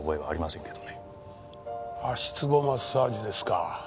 足つぼマッサージですか。